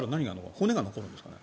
骨が残るんですかね。